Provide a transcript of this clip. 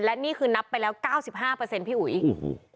และนี่คือนับไปแล้วเก้าสิบห้าเปอร์เซ็นพี่อุ๋ยโอ้โห